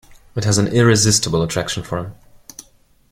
It has an irresistible attraction for him.